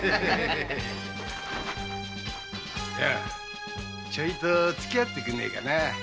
ちょいとつきあってくれねえかな。